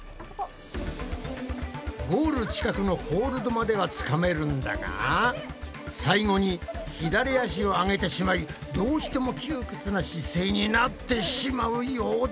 ゴール近くのホールドまではつかめるんだが最後に左足を上げてしまいどうしても窮屈な姿勢になってしまうようだ。